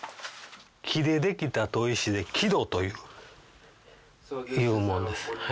木でできた砥石で木砥というもんです。